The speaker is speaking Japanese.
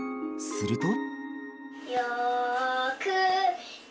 すると。